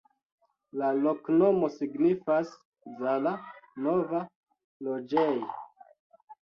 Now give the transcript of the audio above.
La loknomo signifas: Zala-nova-loĝej'.